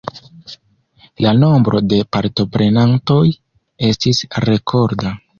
La nombro de partoprenantoj estis rekorda.